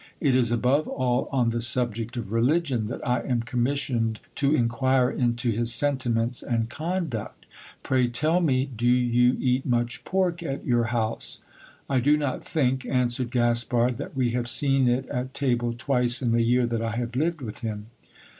It is above all on the subject of religion that I am commissioned to inquire into his sentiments and conduct Pray tell me, do you eat much pork at your house ? I do not think, answered Gaspard, that we have seen it at table twice in the year that I have lived with him.